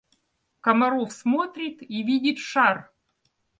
Комаров смотрит и видит шар.